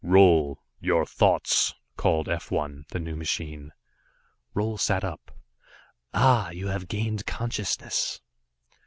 "Roal your thoughts," called F 1, the new machine. Roal sat up. "Ah you have gained consciousness."